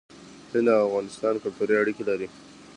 هند او افغانستان کلتوري اړیکې لري.